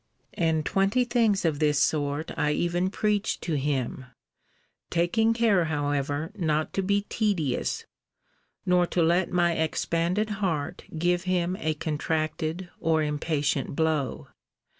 And twenty things of this sort I even preached to him; taking care, however, not to be tedious, nor to let my expanded heart give him a contracted or impatient blow.